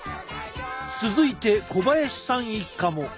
続いて小林さん一家も。